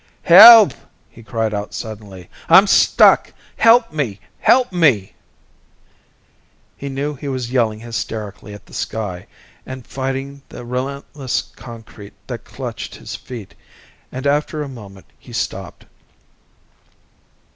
"Help!" he cried out suddenly. "I'm stuck! Help me, help me!" He knew he was yelling hysterically at the sky and fighting the relentless concrete that clutched his feet, and after a moment he stopped.